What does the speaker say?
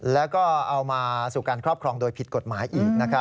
แล้วก็เอามาสู่การครอบครองโดยผิดกฎหมายอีก